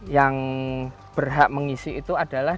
yang berhak mengisi itu adalah